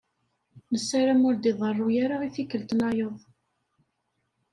Nessaram ur d-iḍeṛṛu ara i tikkelt-nnayeḍ.